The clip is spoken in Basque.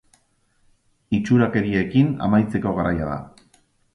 Itxurakeriekin amaitzeko garaia da.